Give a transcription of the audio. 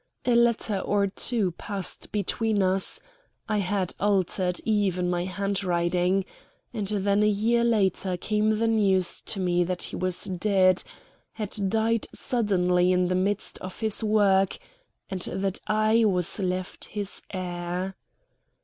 A letter or two passed between us I had altered even my handwriting and then a year later came the news to me that he was dead had died suddenly in the midst of his work and that I was left his heir.